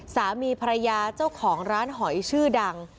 สามีภรรยาเจ้าของร้านหอยชื่อดัง